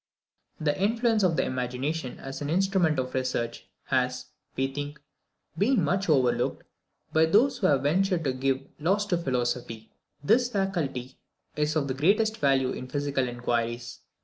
The influence of the imagination as an instrument of research, has, we think, been much overlooked by those who have ventured to give laws to philosophy. This faculty is of the greatest value in physical inquiries.